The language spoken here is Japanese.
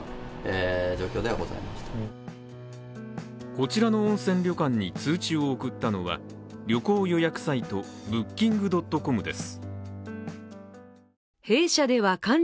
こちらの温泉旅館に通知を送ったのは旅行予約サイトＢｏｏｋｉｎｇ．ｃｏｍです。